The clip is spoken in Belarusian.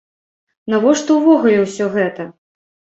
Навошта увогуле ўсё гэта?